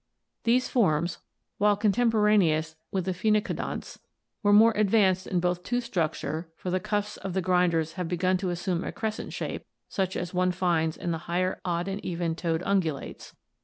These forms, while contemporaneous with the phenacodonts, were more advanced in tooth structure, for the cusps of the grinders have begun to assume a crescent shape such as one often finds in the higher odd and even toed ungulates.